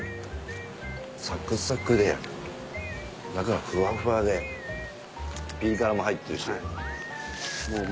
サクサクで中はフワフワでピリ辛も入ってるし。